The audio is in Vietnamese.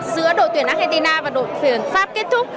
giữa đội tuyển argentina và đội tuyển pháp kết thúc